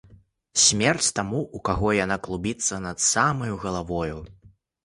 Смерць таму, у каго яна клубіцца над самаю галавою.